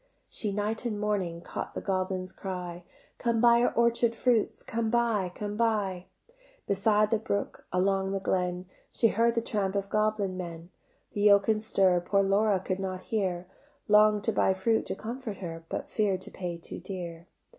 She night and morning Caught the goblins' cry: "Come buy our orchard fruits, Come buy, come buy;" Beside the brook, along the glen, She heard the tramp of goblin men, The yoke and stir Poor Laura could not hear; Long'd to buy fruit to comfort her, But fear'd to pay too dear.